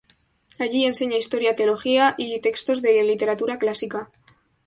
Allí enseña historia teología y textos de literatura clásica.